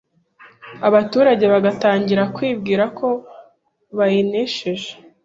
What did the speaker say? abaturage bagatangira kwibwira ko bayinesheje